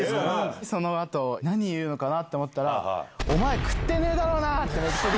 そのあと、何言うのかなと思ったら、お前、食ってねぇだろうなって。